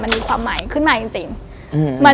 มันมีความหมายขึ้นมาจริง